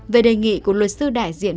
về đề nghị của luật sư đại diện